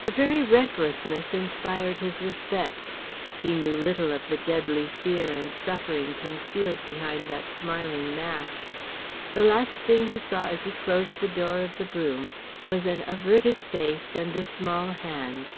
Her very recklessness inspired his respect. He little knew of the deadly fear and suffering concealed behind that smiling mask. The last thing he saw as he closed the door of the brougham was an averted face and a small hand.